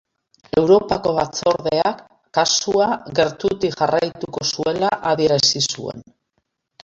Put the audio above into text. Europako Batzordeak kasua gertutik jarraituko zuela adierazi zuen.